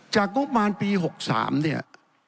งบมารปี๖๓เนี่ย